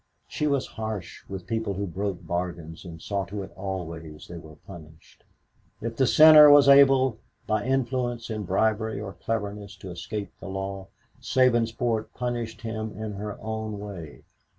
She was harsh with people who broke bargains and saw to it always they were punished. If the sinner was able by influence in bribery or cleverness to escape the law, Sabinsport punished him in her own way.